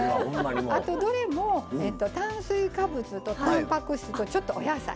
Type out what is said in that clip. あとどれも炭水化物とたんぱく質とちょっとお野菜。